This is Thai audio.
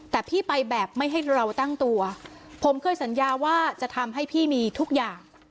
แต่พี่ไปแบบไม่ให้เราตั้งตัวผมเคยสัญญาว่าจะทำให้พี่มีทุกอย่าง